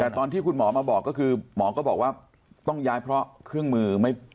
แต่ตอนที่คุณหมอมาบอกก็คือหมอก็บอกว่าต้องย้ายเพราะเครื่องมือไม่